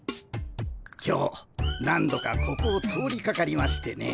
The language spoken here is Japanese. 今日何度かここを通りかかりましてね。